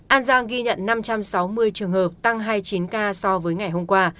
an giang ghi nhận năm trăm sáu mươi trường hợp tăng hai mươi chín ca so với ngày hôm qua